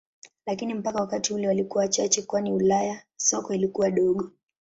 Lakini mpaka wakati ule walikuwa wachache kwani Ulaya soko lilikuwa dogo.